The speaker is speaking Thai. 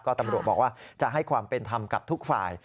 ตำรวจบอกว่าจะให้ความเป็นธรรมกับทุกฝ่าย